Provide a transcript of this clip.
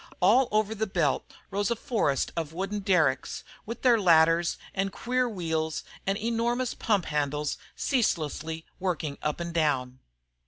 All over the belt rose a forest of wooden derricks, with their ladders, and queer wheels, and enormous pump handles ceaselessly working up and down.